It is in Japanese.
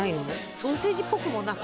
ソーセージっぽくもなく？